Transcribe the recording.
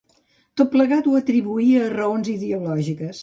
Tot plegat ho atribuïa a raons ideològiques.